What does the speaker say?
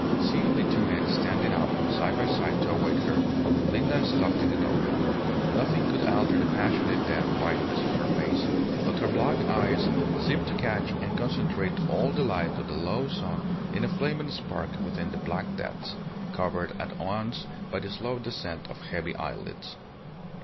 Seeing the two men standing up side by side to await her, Linda stopped in the doorway. Nothing could alter the passionate dead whiteness of her face; but her black eyes seemed to catch and concentrate all the light of the low sun in a flaming spark within the black depths, covered at once by the slow descent of heavy eyelids.